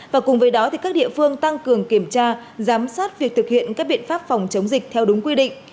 và cùng với đó các địa phương tăng cường kiểm tra giám sát việc thực hiện các biện pháp phòng chống dịch theo đúng quy định